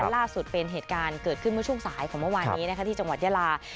ล่าสุดเป็นเหตุการณ์เกิดขึ้นเมื่อช่วงสายของเมื่อวานนี้ที่จังหวัดยาลา